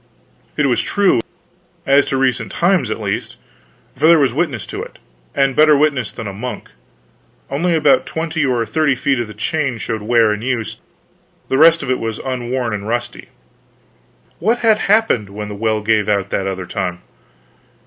It was true as to recent times at least for there was witness to it, and better witness than a monk; only about twenty or thirty feet of the chain showed wear and use, the rest of it was unworn and rusty. What had happened when the well gave out that other time?